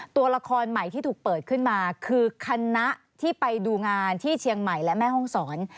ตัวละครใหม่ที่ถูกเปิดขึ้นมาคือคณะที่ไปดูงานที่เชียงใหม่และแม่ห้องศร